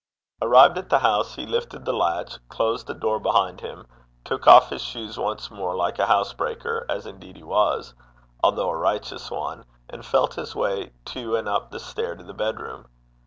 Arrived at the house, he lifted the latch, closed the door behind him, took off his shoes once more, like a housebreaker, as indeed he was, although a righteous one, and felt his way to and up the stair to the bedroom.